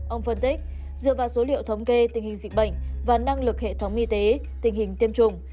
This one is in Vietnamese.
ông phân tích dựa vào số liệu thống kê tình hình dịch bệnh và năng lực hệ thống y tế tình hình tiêm chủng